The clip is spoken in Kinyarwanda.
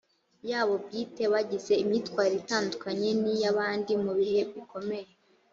yabo bwite bagize imyitwarire itandukanye n iy abandi mu bihe bikomeye